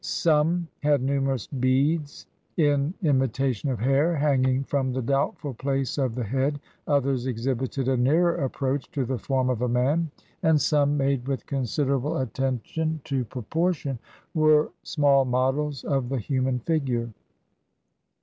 Some had numerous beads, in imita tion of hair, hanging from the doubtful place of the head; others exhibited a nearer approach to the form of a man; and some, made with considerable attention to proportion, were small models of the human figure.